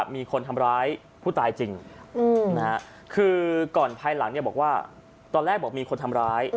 มีคนทำร้ายผู้ตายจริงคือก่อนภายหลังบอกว่าตอนแรกบอกมีคนทำร้าย